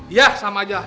iya sama aja